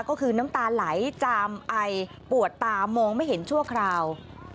ก็คือน้ำตาไหลจามไอปวดตามองไม่เห็นชั่วคราว